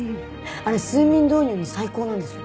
あれ睡眠導入に最高なんですよ。